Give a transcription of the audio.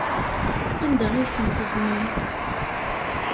Anda ay tent-teẓẓmem?